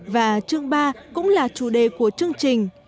và chương ba cũng là chủ đề của chương trình